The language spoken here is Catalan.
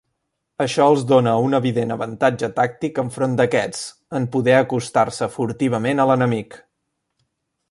Això els dóna un evident avantatge tàctic enfront d'aquests, en poder acostar-se furtivament a l'enemic.